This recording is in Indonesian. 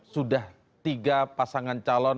sudah tiga pasangan calon